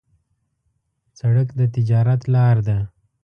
سړک د تجارت لار ده.